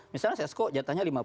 misalnya sesko jatahnya lima puluh